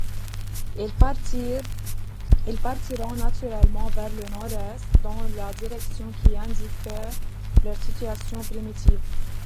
Ils partirent naturellement vers le Nord-Est, dans la direction qu'indiquait leur situation primitive.